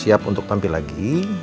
siap untuk tampil lagi